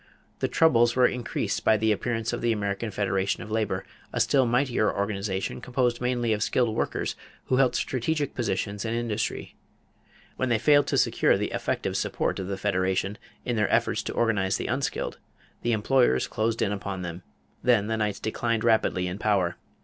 The troubles were increased by the appearance of the American Federation of Labor, a still mightier organization composed mainly of skilled workers who held strategic positions in industry. When they failed to secure the effective support of the Federation in their efforts to organize the unskilled, the employers closed in upon them; then the Knights declined rapidly in power.